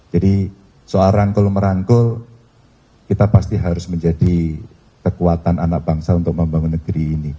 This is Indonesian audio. jadi soal rangkul merangkul kita pasti harus menjadi kekuatan anak bangsa untuk membangun negeri ini